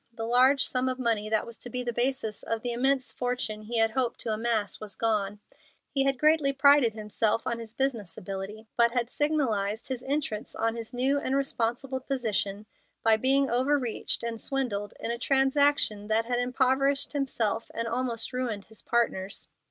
The large sum of money that was to be the basis of the immense fortune he had hoped to amass was gone. He had greatly prided himself on his business ability, but had signalized his entrance on his new and responsible position by being overreached and swindled in a transaction that had impoverished himself and almost ruined his partners.